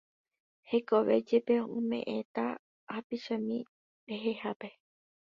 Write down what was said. Hekove jepe ome'ẽta hapichami rehehápe